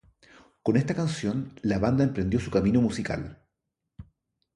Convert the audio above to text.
Con esta canción, la banda emprendió su camino musical.